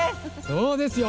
そうですよ。